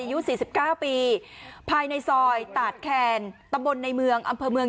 อายุ๔๙ปีภายในซอยตาดแคนตำบลในเมืองอำเภอเมือง